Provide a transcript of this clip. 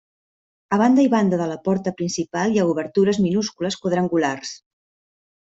A banda i banda de la porta principal hi ha obertures minúscules quadrangulars.